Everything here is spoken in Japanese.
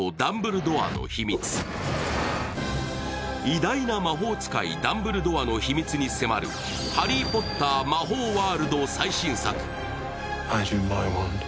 偉大な魔法使い・ダンブルドアの秘密に迫るハリー・ポッター魔法ワールド最新作。